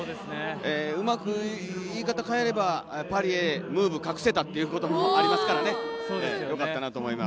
うまく言い方変えればパリへムーブを隠せたっていうところありますからよかったなと思います。